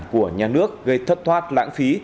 của nhà nước gây thất thoát lãng phí